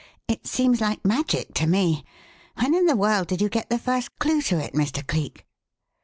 It seems like magic, to me. When in the world did you get the first clue to it, Mr. Cleek?"